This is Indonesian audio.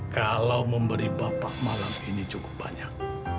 kalau memberi bapak malam ini cukup banyak